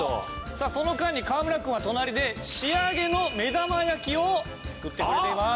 さあその間に川村君は隣で仕上げの目玉焼きを作ってくれています。